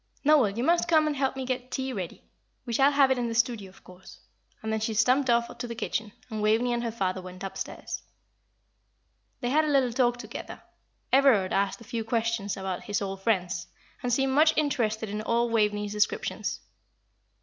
"Noel, you must come and help me get tea ready. We shall have it in the studio, of course;" and then she stumped off to the kitchen, and Waveney and her father went upstairs. They had a little talk together. Everard asked a few questions about his old friends, and seemed much interested in all Waveney's descriptions.